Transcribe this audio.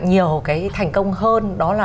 nhiều cái thành công hơn đó là